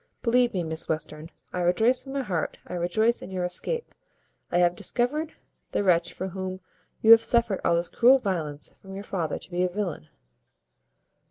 Believe me, Miss Western, I rejoice from my heart, I rejoice in your escape. I have discovered the wretch for whom you have suffered all this cruel violence from your father to be a villain."